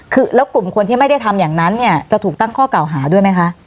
คือแล้วกลุ่มคนที่ไม่ได้ทำอย่างนั้นเนี่ยจะถูกตั้งข้อเก่าหาด้วยไหมคะ